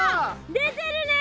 出てるね。